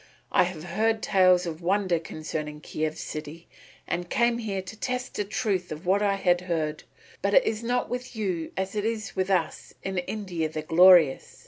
I had heard tales of wonder concerning Kiev city and came here to test the truth of what I had heard. But it is not with you as it is with us in India the Glorious."